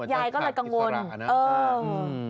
อยาก็เลยกังวลหึ